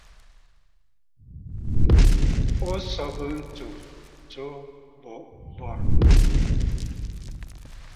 O sɔ̀bə ntsu tǒ bɔ̀rɨkòò.